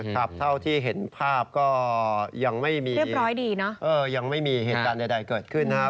ครับเท่าที่เห็นภาพก็ยังไม่มีเหตุการณ์ใดเกิดขึ้นนะครับ